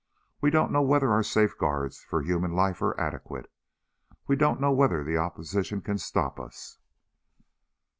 We don't know whether our safeguards for human life are adequate. We don't know whether the opposition can stop us....